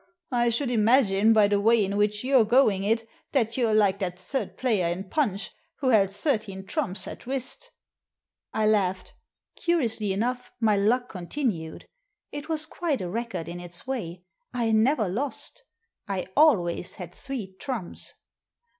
I should imagine, by the way in which you're going it, that you're like that third player in Punch, who held thirteen trumps at whist" I laughed Curiously enough, my luck continued. It was quite a record in its way. I never lost; I always had three trumps.